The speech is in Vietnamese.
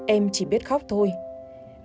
em chỉ biết khóc thôi